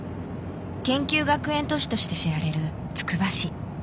研究学園都市として知られるつくば市。